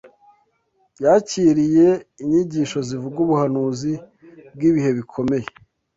Yakiriye’inyigisho zivuga ubuhanuzi bw’ibihe bikomeye